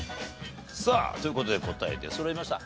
さあという事で答え出そろいました。